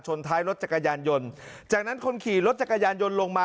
ท้ายรถจักรยานยนต์จากนั้นคนขี่รถจักรยานยนต์ลงมา